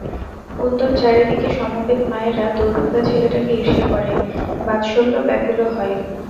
কুন্দর চারিদিকে সমবেত মায়েরা দুর্ভাগা ছেলেটাকে ঈর্ষা করে, বাৎসল্য ব্যাকুলও হয়।